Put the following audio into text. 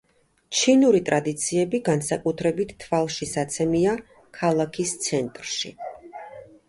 ჩინური ტრადიციები განსაკუთრებით თვალშისაცემია ქალაქის ცენტრში.